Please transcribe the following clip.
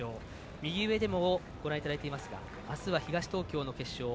右上でもご覧いただいていますが明日は東東京の決勝。